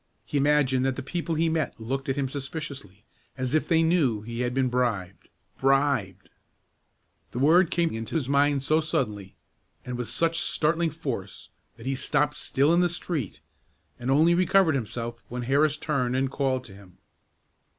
He imagined that the people he met looked at him suspiciously, as if they knew he had been bribed bribed! The word came into his mind so suddenly, and with such startling force, that he stopped still in the street, and only recovered himself when Harris turned and called to him.